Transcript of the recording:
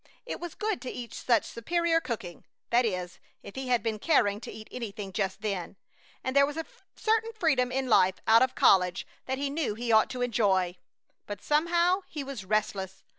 It was good to eat such superior cooking that is, if he had been caring to eat anything just then; and there was a certain freedom in life out of college that he knew he ought to enjoy; but somehow he was restless.